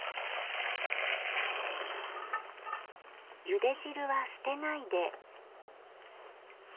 ゆで汁は捨てないで。